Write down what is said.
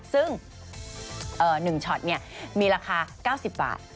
ซึ่ง๑ช็อตมีราคา๙๐บาท